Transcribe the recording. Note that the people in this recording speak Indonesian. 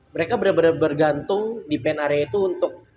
mereka bener bener bergantung di pen area itu untuk